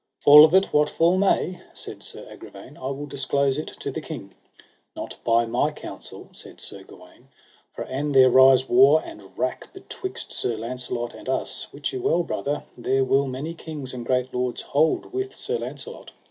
Fall of it what fall may, said Sir Agravaine, I will disclose it to the king. Not by my counsel, said Sir Gawaine, for an there rise war and wrack betwixt Sir Launcelot and us, wit you well brother, there will many kings and great lords hold with Sir Launcelot.